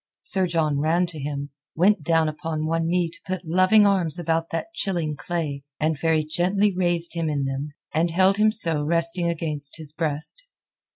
Sir John ran to him, went down upon one knee to put loving arms about that chilling clay, and very gently raised him in them, and held him so resting against his breast.